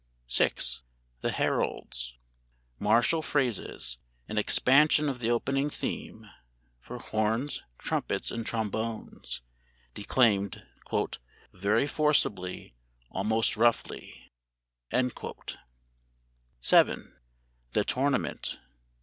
VI. "THE HERALDS." [Martial phrases (an expansion of the opening theme) for horns, trumpets, and trombones, declaimed "very forcibly, almost roughly."] VII. "THE TOURNAMENT."